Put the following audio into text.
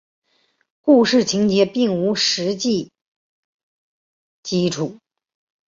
故事情节并无史实基础。